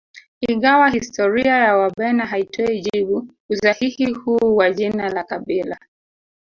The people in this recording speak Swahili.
Ingawa historia ya Wabena haitoi jibu usahihi huu wa jina la kabila